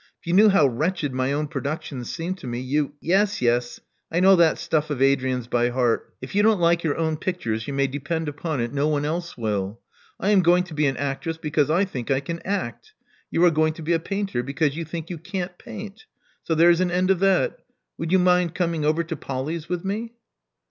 If you knew how wretched my own productions seem to me, you " "Yes, yes: I know all that stuflE of Adrian's by heart. If you don't like your own pictures, you may depend upon it no one else will. I am going to be an actress because I think I can act. You are going to be a painter because you think you can't paint. So there's an end of that Would you mind coming over to Polly's with me?"